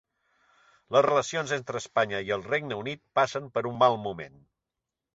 Les relacions entre Espanya i el Regne Unit passen per un mal moment